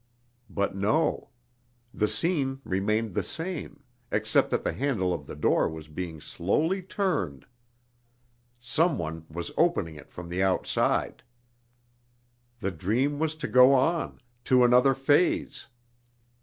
But no. The scene remained the same, except that the handle of the door was being slowly turned. Some one was opening it from the outside. The dream was to go on, to another phase.